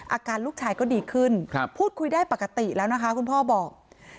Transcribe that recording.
อาการลูกชายก็ดีขึ้นพูดคุยได้ปกติแล้วนะคะคุณพ่อบอก